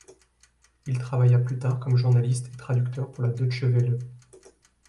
Il travailla plus tard comme journaliste et traducteur pour la Deutsche Welle.